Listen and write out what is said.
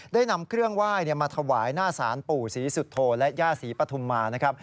ได้นำเครื่องไหว้มาถวายหน้าศาลปู่ศรีสุโธและย่าศรีปฐุมมานะครับ